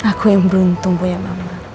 aku yang beruntung punya mama